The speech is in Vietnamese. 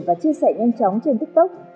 và chia sẻ nhanh chóng trên tiktok